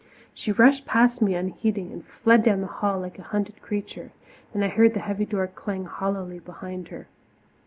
She rushed past me unheeding, and fled down the hall like a hunted creature, and I heard the heavy door clang hollowly behind her.